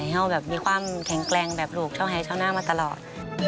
ให้มันมีความแข็งแกร่งแบบลูกเช่าให้เช่าหน้ามาตลอด